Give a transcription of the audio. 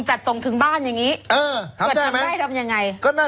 จัดส่งถึงบ้านอย่างงี้เออทำได้ไหมทำยังไงก็นั่น